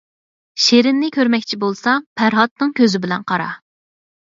شىرىننى كۆرمەكچى بولساڭ پەرھادنىڭ كۆزى بىلەن قارا.